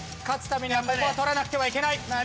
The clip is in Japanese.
勝つためにはここは取らなくてはいけない。